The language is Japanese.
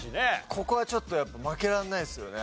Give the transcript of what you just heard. ここはちょっとやっぱ負けられないですよね。